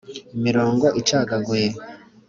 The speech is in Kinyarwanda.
imirongo icagaguye